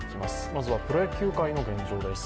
まずはプロ野球界の現状です。